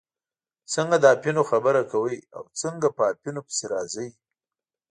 څنګه د اپینو خبره کوئ او څنګه په اپینو پسې راځئ.